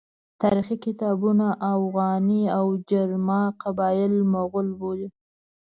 تاریخي کتابونه اوغاني او جرما قبایل مغول بولي.